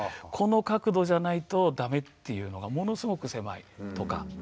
この角度じゃないと駄目っていうのがものすごく狭いとか。